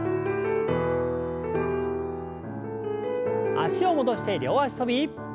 脚を戻して両脚跳び。